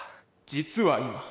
「実は今」。